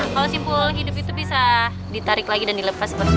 kalau simpul hidup itu bisa ditarik lagi dan dilepas